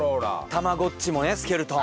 たまごっちもねスケルトン。